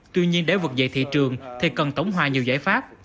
tuy nhiên để vực dậy thị trường thì cần tổng hòa nhiều giải pháp